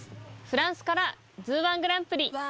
フランスから「ＺＯＯ−１グランプリ」